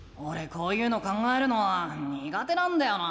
こういうの考えるのはにが手なんだよな。